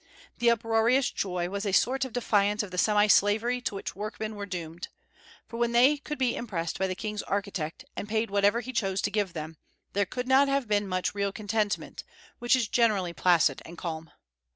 The uproarious joy was a sort of defiance of the semi slavery to which workmen were doomed; for when they could be impressed by the king's architect and paid whatever he chose to give them, there could not have been much real contentment, which is generally placid and calm.